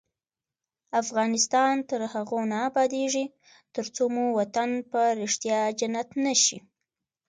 افغانستان تر هغو نه ابادیږي، ترڅو مو وطن په ریښتیا جنت نشي.